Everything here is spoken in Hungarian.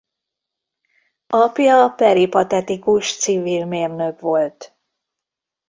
Apja peripatetikus civil mérnök volt.